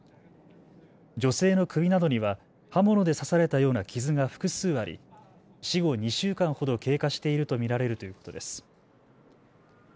女性の首などには刃物で刺されたような傷が複数あり死後２週間ほど経過していると見られるということです。